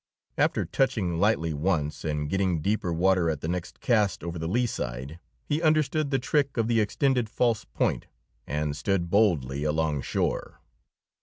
After touching lightly once, and getting deeper water at the next cast over the lee side, he understood the trick of the extended false Point and stood boldly along shore.